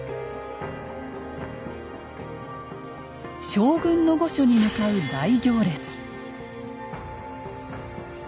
将軍の御所に向かう大行列。